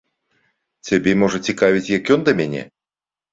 Цябе, можа, цікавіць, як ён да мяне?